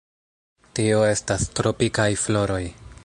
Tio estas tropikaj floroj.